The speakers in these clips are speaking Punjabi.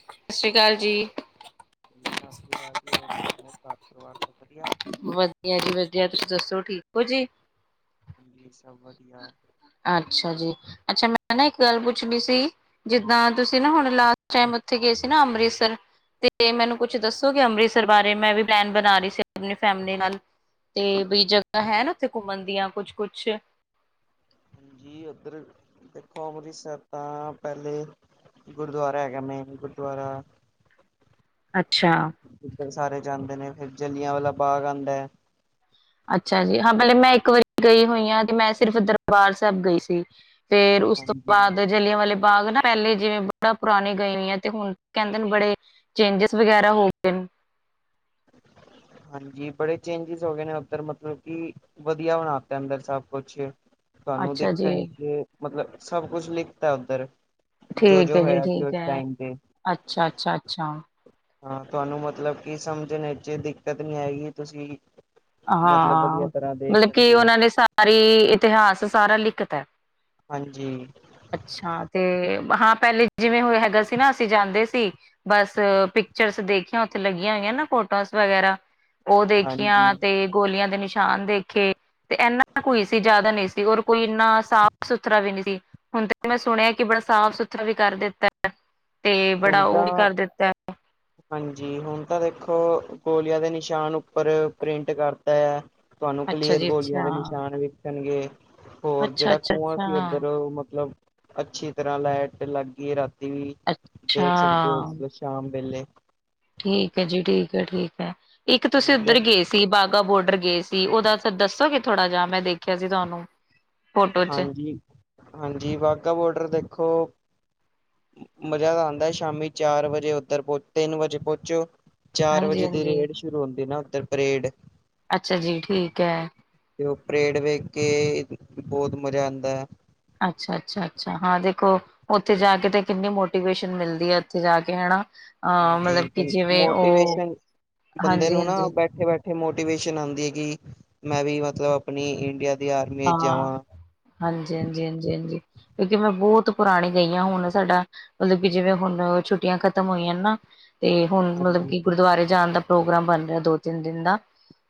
ਸਤਿ ਸ੍ਰੀ ਅਕਾਲ ਜੀ। ਸਤਿ ਸ਼੍ਰੀ ਅਕਾਲ ਜੀ। ਹੋਰ ਸੁਣਾਓ। ਘਰ ਪਰਿਵਾਰ ਸਭ ਵਧੀਆ। ਵਧੀਆ ਜੀ ਵਧੀਆ। ਤੁਸੀਂ ਦੱਸੋ, ਠੀਕ ਹੋ ਜੀ। ਜੀ ਸਭ ਵਧੀਆ। ਅੱਛਾ ਜੀ। ਅੱਛਾ ਮੈਂ ਨਾ ਇੱਕ ਗੱਲ ਪੁੱਛਣੀ ਸੀ ਜਿੱਦਾਂ ਤੁਸੀਂ ਨਾ ਹਾਂਜੀ ਹੁਣ ਟਾਈਮ ਉੱਥੇ ਗਏ ਸੀ ਨਾ ਅੰਮ੍ਰਿਤਸਰ। ਤੇ ਮੈਨੂੰ ਕੁਛ ਦੱਸੋ ਕਿ ਅੰਮ੍ਰਿਤਸਰ ਬਾਰੇ। ਮੈਂ ਵੀ ਪਲੈਨ ਬਣਾ ਰਹੀ ਸੀ। ਆਪਣੀ ਫੈਮਲੀ ਨਾਲ। ਤੇ ਬਈ ਜਗ੍ਹਾ ਹੈ ਨਾ ਉੱਥੇ ਘੁੰਮਣ ਦੀਆਂ ਕੁਛ -ਕੁਛ। ਹਾਂਜੀ, ਉੱਧਰ ਦੇਖੋ, ਅੰਮ੍ਰਿਤਸਰ ਤਾਂ ਪਹਿਲੇ। ਗੁਰਦੁਆਰਾ ਹੈਗਾ ਮੇਨ ਗੁਰਦੁਆਰਾ। ਅੱਛਾ। ਇੱਧਰ ਸਾਰੇ ਜਾਂਦੇ ਨੇ। ਫਿਰ ਜਲਿਆਂਵਾਲਾ ਵਾਲ਼ਾ ਬਾਗ ਆਉਂਦਾ ਹੈ। ਅੱਛਾ ਜੀ, ਹਾਂ, ਪਹਿਲੇ ਮੈਂ ਇੱਕ ਵਾਰੀ ਗਈ ਹੋਈ ਹਾਂ, ਤੇ ਮੈਂ ਸਿਰਫ਼ ਦਰਬਾਰ ਸਾਹਿਬ ਗਈ ਸੀ। ਫੇਰ ਉਸ ਤੋਂ ਹਾਂਜੀ ਬਾਅਦ। ਜਲਿਆਂਵਾਲਾ ਵਾਲੇ ਬਾਗ ਨਾ ਪਹਿਲੇ ਜਿਵੇਂ ਬੜਾ ਪੁਰਾਣੇ ਗਏ ਹੋਈ ਤੇ ਹੁਣ ਕਹਿੰਦੇ ਨੇ ਬੜੇ ਚੇਂਜਿਸ ਵਗੈਰਾ ਹੋ ਗਏ ਨੇ। ਹੂੰ। [inaudible] ਹਾਂਜੀ। ਬੜੇ ਚੇਂਜਿਸ ਹੋ ਗਏ ਨੇ ਉੱਧਰ ਮਤਲਬ ਕਿ ਵਧੀਆ ਬਣਾਤਾ ਅੰਦਰ ਸਭ ਕੁਛ। ਤੁਹਾਨੂੰ ਅੱਛਾ ਜੀ, ਦੇਖਣ ਕਿ ਮਤਲਬ ਸਭ ਕੁਛ ਲਿਖਤ ਉੱਧਰ। ਜੋ- ਠੀਕ ਜੋ ਹੈ ਜੀ, ਹੋਇਆ ਸੀ ਠੀਕ ਉਸ ਹੈ। ਟਾਈਮ ਤੇ। ਅੱਛਾ, ਅੱਛਾ, ਅੱਛਾ। ਹਾਂ, ਤੁਹਾਨੂੰ ਮਤਲਬ ਕਿ ਸਮਝਣ 'ਚ ਦਿੱਕਤ ਨਹੀਂ ਆਏਗੀ ਤੁਸੀਂ ਮਤਲਬ ਵਧੀਆ ਹਾਂ। ਤਰ੍ਹਾਂ ਦੇਖ ਮਤਲਬ ਕਿ ਸਕਦੇ ਹੋ। ਉਹਨਾਂ ਨੇ ਸਾਰੀ ਇਤਿਹਾਸ ਸਾਰਾ ਲਿਖ ਤਾਂ ਹੈ। ਹਾਂਜੀ। ਅੱਛਾ। ਤੇ ਹਾਂ, ਪਹਿਲੇ ਜਿਵੇਂ ਉਹ ਹੈਗਾ ਸੀ ਨਾ ਅਸੀਂ ਜਾਂਦੇ ਸੀ। ਬਸ, ਪਿਕਚਰਸ ਦੇਖੀਆਂ ਉੱਥੇ ਲੱਗੀਆਂ ਹੋਈਆਂ ਨਾ ਫੋਟੋਸ ਵਗੈਰਾ, ਉਹ ਦੇਖੀਆਂ। ਹਾਂਜੀ ਤੇ ਗੋਲੀਆਂ ਦੇ ਨਿਸ਼ਾਨ ਦੇਖੇ। ਤੇ ਇੰਨਾ ਕੋਈ ਕੁ ਸੀ ਜ਼ਿਆਦਾ ਨਹੀਂ ਸੀ। ਔਰ ਕੋਈ ਇੰਨਾ ਸਾਫ਼ -ਸੁਥਰਾ ਵੀ ਨਹੀਂ ਸੀ। ਹੁਣ ਤੇ ਮੈਂ ਸੁਣਿਆ ਕਿ ਬੜਾ ਸਾਫ਼ -ਸੁਥਰਾ ਵੀ ਕਰ ਦਿੱਤਾ ਹੈ। ਤੇ ਬੜਾ ਹੁਣ ਉਹ ਵੀ ਤਾਂ ਕਰ ਦਿੱਤਾ ਹੈ। ਹਾਂ। ਹਾਂਜੀ। ਹੁਣ ਤਾਂ ਦੇਖੋ, ਗੋਲੀਆਂ ਦੇ ਨਿਸ਼ਾਨ ਉੱਪਰ ਪ੍ਰਿੰਟ ਕਰਤਾ ਆ। ਤੁਹਾਨੂੰ ਅੱਛਾ ਕਲੀਅਰ ਜੀ, ਗੋਲੀਆਂ ਦੇ ਅੱਛਾ। ਨਿਸ਼ਾਨ ਵੀ ਣਗੇ। ਹੋਰ ਅੱਛਾ ਜਿਹੜਾ ਅੱਛਾ ਖੂਆ ਸੀ ਅੱਛਾ ਉੱਧਰ ਮਤਲਬ ਅੱਛੀ ਤਰ੍ਹਾਂ ਲਾਈਟ ਲੱਗ ਗਈ। ਰਾਤੀ ਵੀ ਦੇਖ ਸਕਦੇ ਅੱਛਾ ਹੋਰ ਸ਼ਾਮ ਵੇਲੇ ਠੀਕ ਹੈ ਜੀ, ਠੀਕ ਹੈ -ਠੀਕ ਹੈ ਇੱਕ ਤੁਸੀਂ ਹਾਂ ਤੇ ਉੱਧਰ ਗਏ ਸੀ। ਸੀ ਬਾਘਾਬੋਰਡਰ ਗਏ ਸੀ। ਉਹਦਾ ਦੱਸੋ ਕਿ ਥੋੜਾ ਜਿਹਾ ਮੈਂ ਦੇਖਿਆ ਸੀ ਤੁਹਾਨੂੰ। ਫੋਟੋ ਚ ਹਾਂਜੀ -ਹਾਂਜੀ ਵਾਹਗਾ ਬੋਡਰ ਦੇਖੋ ਮਜ਼ਾ ਤਾਂ ਆਉਂਦਾ ਸ਼ਾਮੀ ਚਾਰ ਵਜੇ ਉੱਧਰ ਤਿੰਨ ਵਜੇ ਪੁਹੁੰਚੋ। ਚਾਰ ਹਾਂਜੀ ਵਜੇ ਦੀ ਹਾਂਜੀ ਰੇਡ ਸ਼ੁਰੂ ਹੁੰਦੀ ਨਾ ਉੱਧਰ ਪਰੇਡ। ਅੱਛਾ ਜੀ। ਠੀਕ ਹੈ। ਤੇ ਉਹ ਪਰੇਡ ਵੇਖ ਕੇ ਬਹੁਤ ਮਜ਼ਾ ਆਉਂਦਾ ਹੈ। ਅੱਛਾ -ਅੱਛਾ- ਅੱਛਾ ਹਾਂ ਦੇਖੋ ਉੱਥੇ ਜਾ ਕੇ ਤੇ ਕਿੰਨੀ ਮੋਟੀਵੇਸ਼ਨ ਮਿਲਦੀ ਹੈ ਉੱਥੇ ਜਾ ਕੇ ਹੈਨਾ ਹਾਂਜੀ ਮੋਟੀਵੇਸ਼ਨ ਬੰਦੇ ਹਾਂਜੀ ਨੂੰ ਨਾ ਹਾਂਜੀ ਬੈਠੇ- ਬੈਠੇ ਮੋਟੀਵੇਸ਼ਨ ਆਉਂਦੀ ਏ ਕਿ ਮੈਂ ਵੀ ਮਤਲਬ ਆਪਣੀ ਇੰਡੀਆ ਦੀ ਆਰਮੀ ਵਿੱਚ ਹਾਂ ਜਾਵਾਂ ਹਾਂਜੀ -ਹਾਂਜੀ ਹਾਂਜੀ -ਹਾਂਜੀ ਕਿਉਂਕਿ ਮੈਂ ਬਹੁਤ ਪੁਰਾਣੀ ਗਈ ਆ ਹੁਣ ਸਾਡਾ ਮਤਲਬ ਕਿ ਜਿਵੇਂ ਹੁਣ ਛੁੱਟੀਆਂ ਖ਼ਤਮ ਹੋਈਆਂ ਨਾ। ਤੇ ਹੁਣ ਮਤਲਬ ਹਾਂਜੀ ਕਿ ਗੁਰਦੁਆਰੇ ਜਾਨ ਦਾ ਪ੍ਰੋਗਰਾਮ ਬਨ ਰਿਹਾ ਦੋ ਤਿੰਨ ਦਿਨ ਦਾ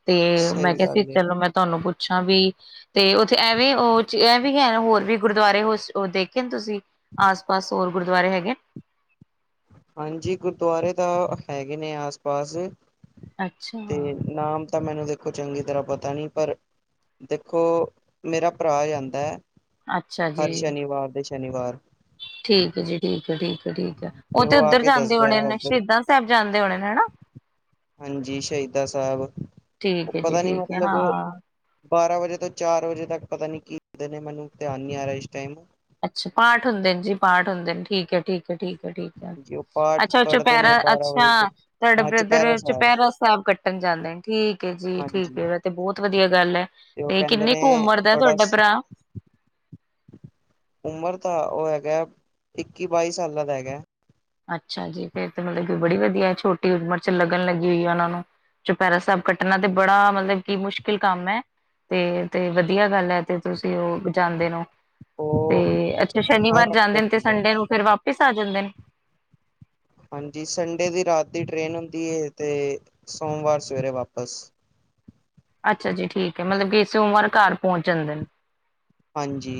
ਤੇ ਮੈਂ ਸਹੀ ਕਿਹਾ ਸੀ ਗੱਲ ਏ। ਚਲੋ ਮੈਂ ਤੁਹਾਨੂੰ ਪੁੱਛਾਂ ਵੀ ਤੇ ਉੱਥੇ ਐਵੇਂ ਉਹ ਐ ਵੀ ਹੈ ਹੋਰ ਵੀ ਗੁਰਦੁਆਰੇ ਹੋ ਦੇਖੇ ਨ ਤੁਸੀਂ ਆਸ ਪਾਸ ਹੋਰ ਗੁਰਦੁਆਰੇ ਹੈਗੇ ਨ ਹਾਂਜੀ ਗੁਰਦੁਆਰੇ ਤਾਂ ਹੈਗੇ ਨੇ ਆਸ ਪਾਸ ਤੇ ਅੱਛਾ ਨਾਮ ਮੈਨੂੰ ਦੇਖੋ ਚੰਗੀ ਤਰ੍ਹਾਂ ਪਤਾ ਨਹੀਂ ਪਰ ਦੇਖੋ ਮੇਰਾ ਭਰਾ ਜਾਂਦਾ ਅੱਛਾ ਹਰ ਜੀ ਸ਼ਨੀਵਾਰ ਦੇ ਸ਼ਨੀਵਾਰ ਠੀਕ ਹੈ ਜੀ ਠੀਕ ਠੀਕ ਠੀਕ ਹੈ ਉਹ ਤੇ ਆ ਉੱਧਰ ਕੇ ਜਾਂਦੇ ਦੱਸਦਾ ਹੋਣੇ ਹੈ ਨੇ ਉੱਧਰ ਸ਼ਹੀਦਾਂ ਸਾਹਿਬ ਜਾਂਦੇ ਹੋਣੇ ਨੇ ਨਾ ਹਾਂਜੀ ਸ਼ਹੀਦਾ ਸਾਹਿਬ ਉਹ ਠੀਕ ਹੈ ਜੀ ਪਤਾ ਨੀ ਠੀਕ ਹੈ ਮਤਲਬ ਹਾਂ ਬਾਰਾਂ ਵਜੇ ਤੋਂ ਚਾਰ ਵਜੇ ਤੱਕ ਪਤਾ ਨੀ ਕਰਦੇ ਨੇ ਮੈਨੂੰ ਧਿਆਨ ਨੀ ਆ ਰਿਹਾ ਇਸ ਟਾਇਮ ਅੱਛਾ ਪਾਠ ਹੁੰਦੇ ਨੇ ਜੀ ਪਾਠ ਹੁੰਦੇ ਨੇ ਠੀਕ ਹੈ- ਠੀਕ ਹੈ -ਠੀਕ ਹੈ ਹਾਂਜੀ ਉਹ ਪਾਠ ਅੱਛਾ ਪੜ੍ਹਦੇ ਨੇ ਚੁਪਹਿਰਾ ਬਾਰਾਂ ਅੱਛਾ ਵਜੇ ਤੱਕ ਤੁਹਾਡਾ ਹਾਂ ਬ੍ਰਦਰ ਚੁਪਹਿਰਾ ਚੁਪਹਿਰਾ ਸਾਹਿਬ ਕੱ ਟਣ ਜਾਂਦੇ ਨੇ [unintelligible] ਠੀਕ ਹੈ ਜੀ ਠੀਕ ਹਾਂਜੀ ਹੈ ਵੈਸੇ ਬਹੁਤ ਵਧੀਆ ਗੱਲ ਏ ਉਹ ਤੇ ਕਹਿੰਦੇ ਕਿੰਨੀ ਨੇ ਕੁ ਉਮਰ ਦਾ ਬੜਾ ਤੁਹਾਡਾ ਸ- ਭਰਾ ਉਮਰ ਤਾਂ ਉਹ ਹੈਗਾ ਇੱਕੀ ਬਾਈ ਸਾਲਾਂ ਦਾ ਹੈਗਾ ਅੱਛਾ ਜੀ ਫੇਰ ਤਾਂ ਮਤਲਬ ਕਿ ਬੜੀ ਵਧੀਆ ਛੋਟੀ ਉਮਰ ਚ ਲੱਗਨ ਲੱਗੀ ਹੋਈ ਏ ਉਹਨਾਂ ਨੂੰ ਚੋਪਹਿਰਾ ਸਾਹਿਬ ਕੱਟਨਾ ਤੇ ਬੜਾ ਮਤਲਬ ਕਿ ਮੁਸ਼ਕਿਲ ਕੰਮ ਹੈ ਤੇ ਤੇ ਵਧੀਆ ਗੱਲ ਹੈ ਤੇ ਤੁਸੀਂ ਉਹ ਜਾਂਦੇ ਨੂੰ ਤੇ ਉਹ ਅੱਛਾ ਸ਼ਨੀਵਾਰ ਹਰ ਹਫ਼ਤੇ ਜਾਂਦੇ ਨੇ ਤੇ ਜਾਂਦਾ ਹੈ ਸੰਡੇ ਨੂੰ ਫਿਰ ਵਾਪਿਸ ਆ ਜਾਂਦੇ ਨੇ ਹਾਂਜੀ ਸੰਡੇ ਦੀ ਰਾਤ ਦੀ ਟ੍ਰੇਨ ਹੁੰਦੀ ਹੈ ਤੇ ਸੋਮਵਾਰ ਸਵੇਰੇ ਵਾਪਸ ਅੱਛਾ ਜੀ ਠੀਕ ਹੈ ਮਤਲਬ ਕਿ ਸੋਮਵਾਰ ਘਰ ਪਹੁੰਚ ਜਾਂਦੇ ਨੇ ਹਾਂਜੀ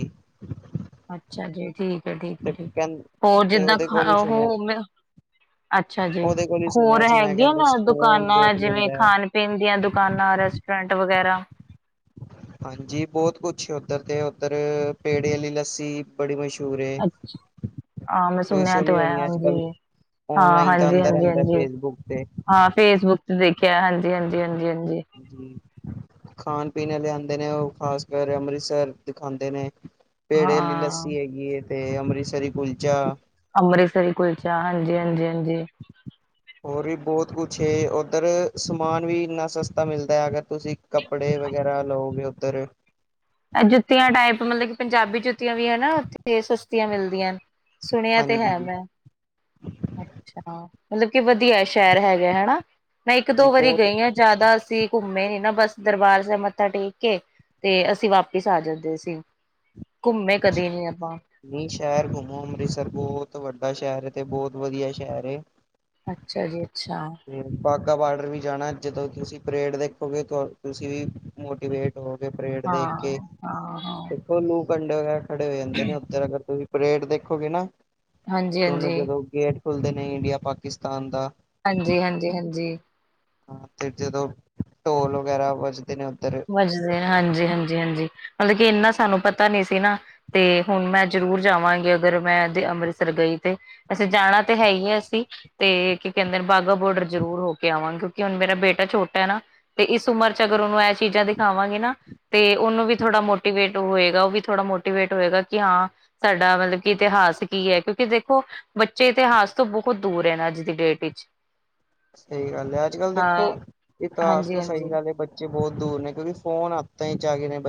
ਅੱਛਾ ਜੀ ਠੀਕ ਹੈ ਠੀਕ ਤੇ ਹੈ ਠੀਕ ਹੈ ਕਹਿੰ ਹੋਰ ਤੇ ਜਿੱਦਾਂ ਉਹਦੇ ਕੋਲ ਖਾ ਹੀ ਸੁਣਿਆ ਉਹ ਅੱਛਾ ਜੀ ਉਹਦੇ ਕੋਲ ਹੀ ਹੋਰ ਸੁਣਿਆ ਸੀ ਮੈਂ ਹੈਗੇ ਕਹਿੰਦਾ ਨਾ ਸਕੂਨ ਦੁਕਾਨਾਂ ਬਹੁਤ ਜਿਵੇਂ ਮਿਲਦਾ ਹੈ ਖਾਨ ਪੀਨ ਦੀਆਂ ਦੁਕਾਨਾਂ ਰੈਸਟੋਰੈਂਟ ਵਗੈਰਾ ਹਾਂਜੀ ਬਹੁਤ ਕੁਛ ਏ ਉੱਧਰ ਤੇ ਉੱਧਰ ਪੇੜੇ ਆਲੀ ਲੱਸੀ ਬੜੀ ਮਸ਼ਹੂਰ ਹੈ ਹਾਂ ਮੈਂ ਤੁਸੀਂ ਸੁਣਿਆ ਤੇ ਸੁਣੀ ਹੋਇਆ ਹੋਣੀ ਅੱਜ ਕੱਲ ਹਾਂਜੀ ਹਾਂ ਔਨਲਾਈਨ ਤਾਂ ਹਾਂਜੀ ਆਂਦਾ ਹਾਂਜੀ ਰਹਿੰਦਾ ਹਾਂਜੀ ਫੇਸਬੁੱਕ ਤੇ ਹਾਂ ਫੇਸਬੁੱਕ ਤੇ ਦੇਖਿਆ ਹਾਂਜੀ -ਹਾਂਜੀ -ਹਾਂਜੀ ਹਾਂਜੀ ਜੀ ਖਾਨ ਪੀਨ ਆਲੇ ਆਂਦੇ ਨੇ ਉਹ ਖਾਸ ਕਰ ਅੰਮ੍ਰਿਤਸਰ ਦਿਖਾਂਦੇ ਨੇ ਪੇੜੇ ਅਲੀ ਹਾਂ ਲੱਸੀ ਹੈਗੀ ਹੈ ਤੇ ਅੰਮ੍ਰਿਤਸਰੀ ਕੁਲਚਾ ਅੰਮ੍ਰਿਤਸਰੀ ਕੁਲਚਾ ਹਾਂਜੀ -ਹਾਂਜੀ -ਹਾਂਜੀ ਹੋਰ ਵੀ ਬਹੁਤ ਕੁਛ ਏ, ਉੱਧਰ ਸਮਾਨ ਵੀ ਇੰਨਾ ਸਸਤਾ ਮਿਲਦਾ ਅਗਰ ਤੁਸੀ ਕੱਪੜੇ ਵਗੈਰਾ ਲਓਗੇ ਉੱਧਰ ਇਹ ਜੁੱਤੀਆਂ ਟਾਈਪ ਮਤਲਬ ਕਿ ਪੰਜਾਬੀ ਜੁੱਤੀਆਂ ਵੀ ਏ ਨਾ, ਉੱਥੇ ਸਸਤੀਆਂ ਮਿਲਦੀਆਂ। ਸੁਣਿਆ ਤੇ ਹੈ ਹਾਂਜੀ ਮੈਂ ਅੱਛਾ, ਮਤਲਬ ਕਿ ਵਧੀਆ ਸ਼ਹਿਰ ਹੈਗਾ ਹੈਨਾ‌। ਮੈਂ ਇੱਕ ਜੀ ਦੋ ਵਾਰੀ ਬਹੁਤ ਗਈ ਹਾਂ। ਜ਼ਿਆਦਾ ਅਸੀਂ ਘੁੰਮੇ ਨੀ ਨਾ ਬਸ ਦਰਬਾਰ ਸਾਹਿਬ ਮੱਥਾ ਟੇਕ ਕੇ ਤੇ ਅਸੀਂ ਵਾਪਿਸ ਆ ਜਾਂਦੇ ਸੀ। ਘੁੰਮੇ ਕਦੇ ਅੱਛਾ। ਨੀ ਅਪਾਂ ਨਹੀਂ ਸ਼ਹਿਰ ਘੁੰਮੋ ਅੰਮ੍ਰਿਤਸਰ ਬਹੁਤ ਵੱਡਾ ਸ਼ਹਿਰ ਏ, ਤੇ ਬਹੁਤ ਵਧੀਆ ਸ਼ਹਿਰ ਏ ਅੱਛਾ ਜੀ ਅੱਛਾ। ਬਾਗਾ ਬਾਰਡਰ ਵੀ ਜਾਣਾ। ਜਦੋਂ ਤੁਸੀਂ ਪਰੇਡ ਦੇਖੋਗੇ, ਤੁਸੀਂ ਵੀ ਮੋਟੀਵੇਟ ੳਹ ਤੇ ਪਰੇਡ ਹਾਂ ਦੇਖ ਕੇ ਹਾਂ ਹਾਂ ਲੂ ਕੰਡੇ ਵਗੈਰਾ ਖੜੇ ਹੋ ਜਾਂਦੇ ਨੇ ਉੱਧਰ ਅਗਰ ਤੁਸੀਂ ਪਰੇਡ ਦੇਖੋਗੇ ਨਾ। ਹਾਂਜੀ ਦੋਨੋਂ ਹਾਂਜੀ ਜਦੋਂ ਗੇਟ ਖੁੱਲਦੇ ਨੇ ਇੰਡੀਆ ਪਾਕਿਸਤਾਨ ਦਾ‌। ਹਾਂਜੀ-ਹਾਂਜੀ, ਹਾਂਜੀ। ਹਾ ਤੇ ਜਦੋਂ ਢੋਲ ਵਗੈਰਾ ਵੱਜਦੇ ਨੇ ਉੱਧਰ ਹਾਂਜੀ-ਹਾਂਜੀ-ਹਾਂਜੀ, ਮਤਲਬ ਕਿ ਇੰਨਾ ਸਾਨੂੰ ਪਤਾ ਨੀ ਸੀ ਨਾ। ਤੇ ਹੁਣ ਮੈਂ ਜ਼ਰੂਰ ਜਾਵਾਂਗੀ ਅਗਰ ਮੈਂ ਤੇ ਅੰਮ੍ਰਿਤਸਰ ਗਈ ਤੇ। ਅਸੀ ਜਾਣਾ ਤਾਂ ਹੈ ਹੀ ਹੈ ਅਸੀਂ ਤੇ ਕੀ ਕਹਿੰਦੇ ਬਾਗਾ ਬੋਡਰ ਜ਼ਰੂਰ ਹੋ ਕੇ ਆਵਾਂਗੇ। ਕਿ ਹੁਣ ਮੇਰਾ ਬੇਟਾ ਛੋਟਾ ਹੈ ਨਾ ਤੇ ਇਸ ਉਮਰ ਚ ਅਗਰ ਉਹਨੂੰ ਇਹ ਚੀਜ਼ਾਂ ਦਿਖਾਵਾਂਗੇ ਨਾ ਤੇ ਉਹਨੂੰ ਵੀ ਥੋੜਾ ਮੋਟੀਵੇਟ ਹੋਏਗਾ, ਉਹ ਵੀ ਥੋੜਾ ਮੋਟੀਵੇਟ ਹੋਏਗਾ ਕਿ ਹਾਂ ਸਾਡਾ ਮਤਲਬ ਕਿ ਇਤਿਹਾਸ ਕੀ ਏ ਕਿਉਂਕਿ ਦੇਖੋ ਬੱਚੇ ਇਤਿਹਾਸ ਤੋਂ ਬਹੁਤ ਦੂਰ ਏ ਨਾ ਅੱਜ ਦੀ ਡੇਟ ਵਿੱਚ ਸਹੀ ਗੱਲ ਏ, ਅੱਜ-ਕੱਲ ਦੇਖੋ ਹਾਂ ਇਤਿਹਾਸ ਹਾਂਜੀ ਤੋਂ ਸਹੀ ਹਾਂਜੀ ਗੱਲ ਏ ਬੱਚੇ ਬਹੁਤ ਦੂਰ ਨੇ ਕਿਉਂਕਿ ਫੋਨ ਹਾਥ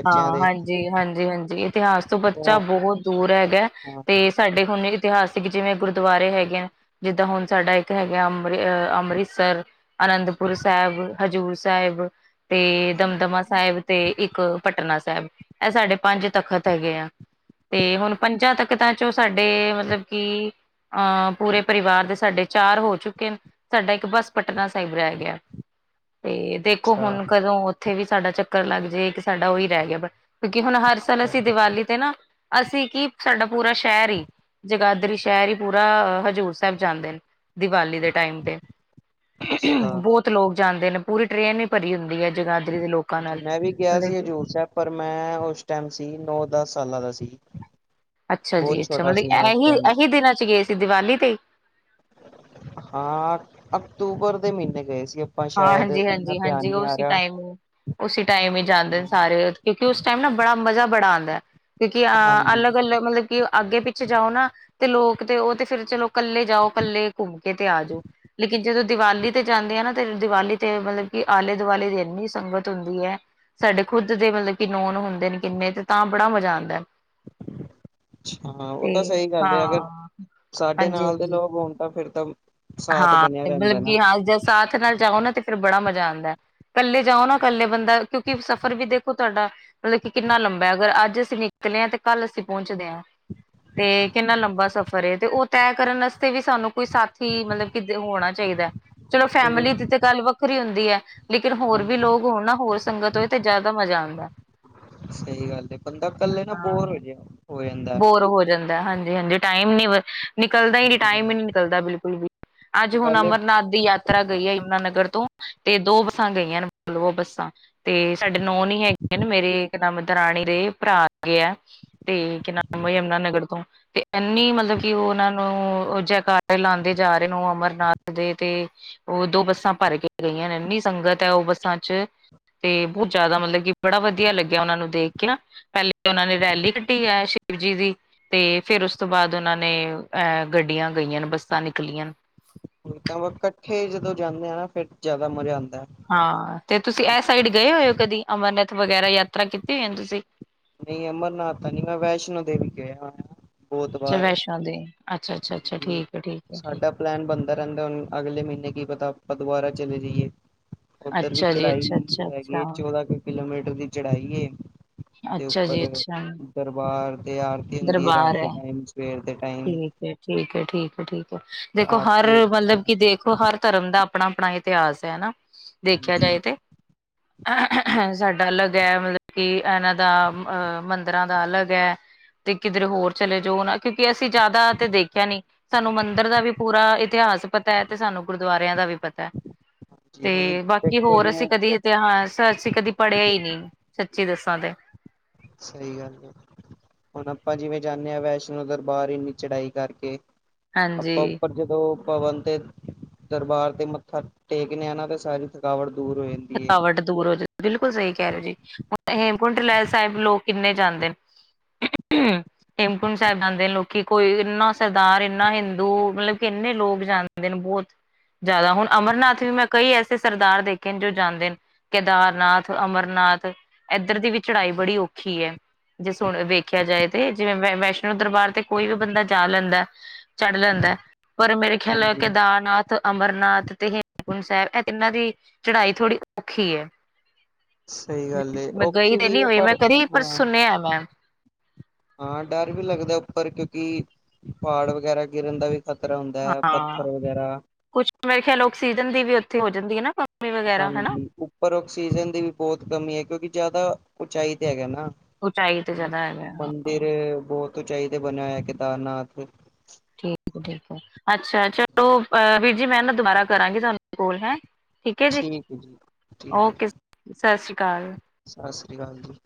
ਹਾਂ, ਹਾਂਜੀ-ਹਾਂਜੀ-ਹਾਂਜੀ ਇਤਿਹਾਸ ਤੋਂ ਬੱਚਾ ਫੋਨ ਬਹੁਤ ਦੂਰ ਹੈਗਾ ਹਾਂ ਤੇ ਸਾਡੇ ਹੁਣ ਇਤਿਹਾਸਿਕ ਜਿਵੇਂ ਗੁਰਦੁਆਰੇ ਹੈਗੇ ਨੇ ਜਿੱਦਾਂ ਹੁਣ ਸਾਡਾ ਇੱਕ ਹੈਗਾ ਅੰਮ੍ਰਿ ਅੰਮ੍ਰਿਤਸਰ ਅਨੰਦਪੁਰ ਸਾਹਿਬ, ਹਜ਼ੂਰ ਸਾਹਿਬ ਤੇ ਦਮਦਮਾ ਸਾਹਿਬ ਤੇ ਇੱਕ ਪਟਨਾ ਸਾਹਿਬ, ਇਹ ਸਾਡੇ ਪੰਜ ਤਖ਼ਤ ਹੈਗੇ ਆ। ਤੇ ਹੁਣ ਪੰਜਾਂ ਤਖ਼ਤਾ ਚੋਂ ਸਾਡੇ ਮਤਲਬ ਕਿ ਹਾਂ ਪੂਰੇ ਪਰਿਵਾਰ ਦੇ ਸਾਡੇ ਚਾਰ ਹੋ ਚੁੱਕੇ ਨੇ ਸਾਡਾ ਇੱਕ ਬਸ ਪਟਨਾ ਸਾਹਿਬ ਰਹਿ ਗਿਆ। ਤੇ ਦੇਖੋ ਅੱਛਾ ਹੁਣ ਕਦੋਂ ਉੱਥੇ ਵੀ ਸਾਡਾ ਚੱਕਰ ਲੱਗ ਜਾਏੇ ਇੱਕ ਸਾਡਾ ਉਹੀ ਰਹਿ ਗਿਆ ਬਸ ਕਿਉਂਕਿ ਹੁਣ ਹਰ ਸਾਲ ਅੱਛਾ ਅਸੀਂ ਦੀਵਾਲੀ ਤੇ ਨਾ ਅਸੀਂ ਕੀ ਸਾਡਾ ਪੂਰਾ ਸ਼ਹਿਰ‌ ਇ ਜਗਾਦਰੀ ਸ਼ਹਿਰ ਹੀ ਪੂਰਾ ਹਜ਼ੂਰ ਸਾਹਿਬ ਜਾਂਦੇ ਨੇ ਦੀਵਾਲੀ ਦੇ ਟਾਈਮ ਤੇ, ਅੱਛਾ ਬਹੁਤ ਲੋਕ ਜਾਂਦੇ ਨੇ ਪੂਰੀ ਟ੍ਰੇਨ ਈ ਭਰੀ ਹੁੰਦੀ ਐ ਜਗਾਦਰੀ ਦੇ ਲੋਕ ਮੈਂ ਵੀ ਗਿਆ ਸੀ ਹਜ਼ੂਰ ਸਾਹਿਬ ਪਰ ਮੈਂ ਉਸ ਟਾਈਮ ਸੀ ਨੌ-ਦਸ ਸਾਲਾਂ ਦਾ ਸੀ। ਅੱਛਾ ਜੀ ਬਹੁਤ ਅੱਛਾ ਛੋਟਾ ਸੀ ਮੈਂ ਮਤਲਬ ਉਸ ਟਾਈਮ ਇਹੀ-ਇਹੀ ਦਿਨਾਂ ਚ ਗਏ ਸੀ ਦੀਵਾਲੀ ਤੇ ਹਾਂ, ਅਕਤੂਬਰ ਦੇ ਮਹੀਨੇ ਗਏ ਸੀ ਅ ਹਾਂ ਹਾਂਜੀ-ਹਾਂਜੀ-ਹਾਂਜੀ, ਉਸ ਟਾਈਮ ਹੀ ਉਸੀ ਟਾਈਮ ਹੀ ਜਾਂਦੇ ਨੇ ਸਾਰੇ ਕਿਉਂਕਿ ਉਸ ਟਾਈਮ ਨਾ ਬੜਾ ਮਜ਼ਾ ਬੜਾ ਆਂਦਾ ਐ ਕਿਉਂਕਿ ਹਾਂਜੀ ਅਲੱਗ-ਅਲੱਗ ਮਤਲਬ ਕਿ ਅੱਗੇ ਪਿੱਛੇ ਜਾਓ ਨਾ ਤੇ ਲੋਕ ਤੇ ਉਹ ਤੇ ਫਿਰ ਚਲੋ ਕੱਲੇ ਜਾਓ, ਕੱਲੇ ਘੁੰਮ ਕੇ ਤੇ ਆ ਜਾਓ ਲੇਕਿਨ ਜਦੋਂ ਦੀਵਾਲੀ ਤੇ ਜਾਂਦੇ ਆ ਨਾ ਤੇ ਦੀਵਾਲੀ ਤੇ ਮਤਲਬ ਕਿ ਆਲੇ ਦੁਆਲੇ ਇੰਨੀ ਸੰਗਤ ਹੁੰਦੀ ਹੈ। ਸਾਡੇ ਖੁੱਦ ਦੇ ਮਤਲਬ ਕਿ ਨੋਨ ਹੁੰਦੇ ਨੇ ਕਿੰਨੇ ਤੇ ਤਾਂ ਬੜਾ ਮਜ਼ਾ ਆਂਦਾ ਐ। ਅੱਛਾ, ਉਹ ਤਾਂ ਸਹੀ ਗੱਲ ਹਾਂ ਐ ਅਗਰ ਸਾਡੇ ਹਾਂਜੀ ਨਾਲ ਦੇ ਹਾਂਜੀ ਲੋਕ ਹੁਣ ਤਾਂ ਫਿਰ ਤਾਂ ਸਾਥ ਬਣਿਆ ਹਾਂ, ਰਹਿੰਦਾ ਮਤਲਬ ਨਾ ਕਿ ਹਾਂ ਜੇ ਸਾਥ ਨਾਲ ਜਾਓ ਨਾ ਤੇ ਫੇਰ ਬੜਾ ਮਜ਼ਾ ਆਂਦਾ ਹੈ। ਇਕੱਲੇ ਜਾਓ ਨਾ ਇਕੱਲੇ ਬੰਦਾ ਕਿਉਂਕਿ ਸਫ਼ਰ ਵੀ ਦੇਖੋ ਤੁਹਾਡਾ ਮਤਲਬ ਕਿੰਨਾ ਲੰਬਾ ਐ ਅਗਰ ਅੱਜ ਅਸੀਂ ਨਿਕਲੇ ਹਾਂ ਤੇ ਕੱਲ੍ਹ ਅਸੀਂ ਪਹੁੰਚਦੇ ਆਂ ਤੇ ਕਿੰਨਾ ਲੰਬਾ ਸਫ਼ਰ ਤੇ ਉਹ ਤੈਅ ਕਰਨ ਆਸਤੇ ਵੀ ਸਾਨੂੰ ਹੀ ਮਤਲਬ ਕਿ ਹੋਣਾ ਚਾਹੀਦਾ ਹੈ ਚਲੋ ਫੈਮਿਲੀ ਦੀ ਤੇ ਗੱਲ ਵੱਖਰੀ ਹੁੰਦੀ ਹੈ। ਲੇਕਿਨ ਹੋਰ ਵੀ ਹਾਂਜੀ ਲੋਕ ਹੋਣ ਨਾ ਹੋਰ ਸੰਗਤ ਹੋਏ ਤੇ ਜਾਦਾ ਮਜ਼ਾ ਆਦਾ। ਸਹੀ ਗੱਲ ਐ ਬੰਦਾ ਕੱਲੇ ਨਾ ਬੋਰ ਹਾਂ ਹੋ ਹੋ ਜਾ ਬੋਰ ਹੋ ਜਾਂਦਾ ਹਾਂਜੀ-ਹਾਂਜੀ ਟਾਈਮ ਨੀ ਨਿਕਲਦਾ ਹੀ ਨੀ ਟਾਈਮ ਹੀ ਨੀ ਨਿਕਲਦਾ ਬਿਲਕੁਲ ਵੀ ਅੱਜ ਹੁਣ ਪਹਿਲੇ ਅਮਰਨਾਥ ਦੀ ਯਾਤ ਤਰਾ ਗਈ ਆ ਯਮੁਨਾ ਨਗਰ ਤੋਂ ਤੇ ਦੋ ਬੱਸਾਂ ਗਈਆਂ ਨੇ ਮਤਲਬ ਬੱਸਾਂ। ਤੇ ਸਾਡੇ ਨੋਨ ਹੀ ਹੈਗੇ ਮੇਰੇ ਇੱਕਦਮ ਦਰਾਣੀ ਦੇ ਭਰਾ ਹੈਗੇ ਆ ਤੇ ਕੀ ਨਾਮ ਹੈ ਯਮੁਨਾ ਨਗਰ ਤੋਂ। ਤੇ ਇਨੀ ਮਤਲਬ ਕਿ ਉਹ ਉਹਨਾਂ ਨੂੰ ਜੈਕਾਰੇ ਲਾਦੇ ਜਾ ਰਹੇ ਨੇ ਉਹ ਅਮਰਨਾਥ ਦੇ ਤੇ ਉਹ ਦੋ ਬੱਸਾਂ ਭਰ ਕੇ ਗਈਆਂ ਨੇ ਇੰਨੀ ਸੰਗਤ ਹੈ ਉਹ ਬੱਸਾਂ ਚ। ਤੇ ਬਹੁਤ ਜਾਦਾ ਮਤਲਬ ਕਿ ਬੜਾ ਵਧੀਆ ਲੱਗਿਆ ਉਹਨਾਂ ਨੂੰ ਦੇਖ ਕੇ ਨਾ। ਪਹਿਲੇ ਉਹਨਾਂ ਨੇ ਰੈਲੀ ਕੱਢੀ ਐਸ਼ ਸ਼ਿਵ ਜੀ ਦੀ ਤੇ ਫੇਰ ਉਸ ਤੋਂ ਬਾਦ ਉਹਨਾਂ ਨੇ ਅਹ ਗੱਡੀਆਂ ਗਈਆਂ ਬੱਸਾਂ ਨਿਕਲੀਆ ਨੇ। ਕੱਠੇ ਜਦੋ ਜਾਨੇ ਆ ਨਾ ਫੇਰ ਜਾਦਾ ਮਜ਼ਾ ਆਂਦਾ। ਹਾਂ ਤੇ ਤੁਸੀਂ ਇਹ ਸਾਈਡ ਗਏ ਹੋਏ ਹੋ ਕਦੀ ਅਮਰਨਾਥ ਵਗੈਰਾ ਯਾਤਰਾ ਕੀਤੀ ਹੋਈ ਤੁਸੀ। ਨਹੀ ਅਮਰਨਾਥ ਤਾਂ ਨੀ ਮੈਂ ਵੈਸ਼ਨੋ ਦੇਵੀ ਗਿਆ ਹੋਇਆ। ਬਹੁਤ ਅੱਛਾ ਵਾਰ ਵੈਸ਼ਨੋ ਦੇਵੀ ਅੱਛਾ-ਅੱਛਾ, ਅੱਛਾ ਠੀਕ ਹੈ-ਠੀਕ ਹੈ ਠੀਕ। ਸਾਡਾ ਪਲੈਨ ਬਣਦਾ ਰਹਿੰਦਾ ਹੁਣ ਅਗਲੇ ਮਹੀਨੇ ਕੀ ਪਤਾ ਆਪਾ ਦੁਬਾਰਾ ਚਲੇ ਜਾਈਏ। ਉੱਧਰ ਵੀ ਅੱਛਾ ਜੀ ਅੱਛਾ ਚੜਾਈ ਅੱਛਾ ਹੈਗੀ ਅੱਛਾ ਚੌਦਾਂ ਕੁ ਕਿਲੋਮੀਟਰ ਦੀ ਚੜਾਈ ਏ। ਦੇ ਅੱਛਾ ਜੀ ਉੱਪਰ ਅੱਛਾ ਦਰਬਾਰ ਦੇ ਆਰ ਹੁੰਦੀ ਏ ਰਾਤ ਦਰਬਾਰ ਹੈ ਠੀਕ ਹੈ-ਠੀਕ ਹੈ, ਠੀਕ ਹੈ-ਠੀਕ ਹੈ। ਤੇ ਦੇਖੋ ਹਰ ਆਰਤੀ ਏ ਮਤਲਬ ਕਿ ਦੇਖ ਹਰ ਧਰਮ ਦਾ ਆਪਣਾ-ਆਪਣਾ ਇਤਿਹਾਸ ਹੈ ਹਨਾ ਦੇਖਿਆ ਹਾਂਜੀ ਜਾਏ ਤੇ। ਸਾਡਾ ਅਲੱਗ ਹੈ ਮਤਲਬ ਕਿ ਇਹਨਾਂ ਦਾ ਅਹ ਮੰਦਿਰਾ ਦਾ ਅਲਗ ਹੈ। ਤੇ ਕਿਧਰੇ ਹੋਰ ਚਲੇ ਜਾਓ ਨਾ ਕਿਉਂਕਿ ਅਸੀ ਜਾਦਾ ਤੇ ਦੇਖਿਆ ਨੀ। ਸਾਨੂੰ ਮੰਦਿਰ ਦਾ ਵੀ ਪੂਰਾ ਇਤਿਹਾਸ ਪਤਾ ਹੈ ਤੇ ਸਾਨੂੰ ਗੁਰਦੁਆਰਿਆਂ ਦਾ ਵੀ ਪਤਾ। ਹਾਂਜੀ ਹੁਣ ਤੇ ਬਾਕੀ ਦੇਖੋ ਹੋਰ ਅਸੀਂ ਜਿਵੇਂ ਕਦੇ ਤੇ ਹਾਂ ਸਰ ਅਸੀ ਕਦੀ ਪੜ੍ਹਿਆ ਹੀ ਨਹੀ ਸੱਚੀ ਦਸਾਂ ਤੇ। ਸਹੀ ਗੱਲ ਹੈ। ਹੁਣ ਆਪਾ ਜਿਵੇਂ ਜਾਂਦੇ ਹਾ ਵੈਸ਼ਨੋ ਦਰਬਾਰ ਇੰਨੀ ਚੜਾਈ ਕਰਕੇ ਆਪਾਂ ਹਾਂਜੀ। ਉੱਪਰ ਜਦੋਂ ਭਵਨ ਤੇ ਦਰਬਾਰ ਤੇ ਮੱਥਾ ਟੇਕਦੇ ਆ ਨਾ ਤੇ ਸਾਰੀ ਥਕਾਵਟ ਦੂਰ ਹੋ ਜਾਂਦੀ ਏ ਥਕਾਵਟ ਦੂਰ ਹੋ ਜਾਂਦੀ ਬਿਲਕੁਲ ਸਹੀ ਕਹਿ ਰਹੇ ਜੀ ਹੁਣ ਹੇਮਕੁੰਟ ਲੈ ਸਾਹਿਬ ਲੋਕ ਕਿੰਨੇ ਜਾਂਦੇ ਨੇ। ਹ ਹੇਮਕੁੰਟ ਸਾਹਿਬ ਜਾਂਦੇ ਨੇ ਲੋਕੀ ਕੋਈ ਇੰਨਾ ਸਰਦਾਰ ਇੰਨਾ ਹਿੰਦੂ ਮਤਲਬ ਕਿ ਇੰਨੇ ਲੋਕ ਜਾ ਨੇ ਬਹੁਤ ਜਾਦਾ ਹੁਣ ਅਮਰਨਾਥ ਵੀ ਮੈਂ ਕਈ ਐਸੇ ਸਰਦਾਰ ਦੇ ਖੇ ਜੋ ਜਾਂਦੇ ਨੇ ਕੇਦਾਰਨਾਥ, ਅਮਰਨਾਥ ਇੱਧਰ ਦੀ ਵੀ ਚੜਾਈ ਬੜੀ ਔਖੀ ਹੈ। ਜੇ ਸੁਣ ਵੇਖਿਆ ਜਾਏ ਤੇ ਜਿਵੇਂ ਵੈਸ਼ਨੋ ਦਰਬਾਰ ਤੇ ਕੋਈ ਵੀ ਬੰਦਾ ਜਾ ਲੈਂਦਾ। ਚੜ ਲੈਂਦਾ ਪਰ ਮੇਰੇ ਖਿਆਲ ਹਾਂਜੀ ਕੇਦਾਰਨਾਥ ਅਮਰਨਾਥ ਤੇ ਹੇਮਕੁੰਟ ਸਾਹਿਬ ਇਹ ਇਹਨਾਂ ਦੀ ਚੜਾਈ ਥੋੜ੍ਹੀ ਔਖੀ ਹੈ। ਸਹੀ ਗੱਲ ਐ, ਮੈਂ ਗਈ ਓਕੇੇ ਤੇ ਵੀ ਨਹੀਂ ਹੈ ਹੋਈ ਮੈਂ ਪਰ ਕਦੀ ਪਰ ਹਾਂ। ਸੁਣਿਆ ਮੈਂ ਹਾਂ ਡਰ ਵੀ ਲੱਗਦਾ, ਉੱਪਰ ਕਿਉਂਕਿ ਪਹਾੜ ਵਗੈਰਾ ਗਿਰਨ ਦਾ ਵੀ ਖਤਰਾ ਹੁੰਦਾ ਹੈ, ਹਾਂ ਪੱਥਰ ਵਗੈਰਾ ਕੁਛ ਮੇਰੇ ਖਿਆਲ ਔਕਸੀਜਨ ਦੀ ਵੀ ਉੱਥੇ ਹੋ ਜਾਂਦੀ ਹੈ ਨਾ ਵਗੈਰਾ ਹਨਾ ਹਾਂਜੀ ਉੱਪਰ ਆਕਸੀਜਨ ਦੀ ਵੀ ਬਹੁਤ ਕਮੀ ਹੈ, ਕਿਉਂਕਿ ਜ਼ਿਆਦਾ ਉਚਾਈ ਤੇ ਹੈਗਾ ਨਾ। ਉਚਾਈ ਤੇ ਜ਼ਿਆਦਾ ਹੈਗਾ ਹਾਂ ਮੰਦਿਰ ਬਹੁਤ ਉਚਾਈ ਤੇ ਬਣਿਆ ਹੋਇਆ, ਕੇਦਾਰਨਾਥ ਠੀਕ ਹੈ ਠੀਕ ਹੈ, ਅੱਛਾ ਚਲੋ ਅਹ ਵੀਰ ਜੀ ਮੈਂ ਨਾ ਦੁਬਾਰਾ ਕਰਾਂਗੀ ਤੁਹਾਨੂੰ ਕੋਲ ਹੈਂ। ਠੀਕ ਹੈ ਜੀ, ਜੀ ਠੀਕ ਹੈ ਜੀ ਓਕੇ ਸਤਿ ਸ੍ਰੀ ਅਕਾਲ ਸਤਿ ਸ੍ਰੀ ਅਕਾਲ ਜੀ।